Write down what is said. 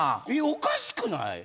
おかしくない？